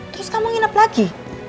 terus kamu nginep lagi